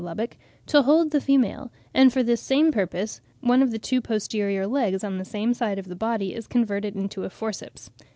Lubbock, to hold the female, and for this same purpose one of the two posterior legs (b) on the same side of the body is converted into a forceps.